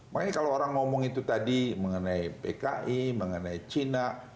makanya kalau orang ngomong itu tadi mengenai pki mengenai cina